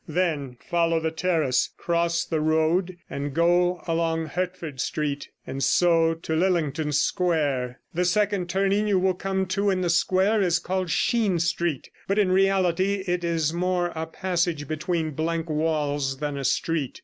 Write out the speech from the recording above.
Then follow the terrace, cross the road, and go along Hertford Street, and so into Lillington Square. The second turning you will come to in the square is called Sheen Street; but in reality it is more a passage between blank walls than a street.